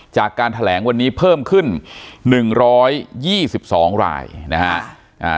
จากการแถลงวันนี้เพิ่มขึ้นหนึ่งร้อยยี่สิบสองรายนะครับ